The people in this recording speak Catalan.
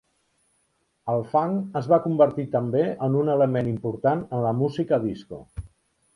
El funk es va convertir també en un element important en la música disco.